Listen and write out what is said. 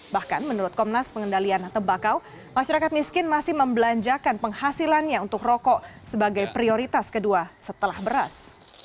bahkan menurut komnas pengendalian tembakau masyarakat miskin masih membelanjakan penghasilannya untuk rokok sebagai prioritas kedua setelah beras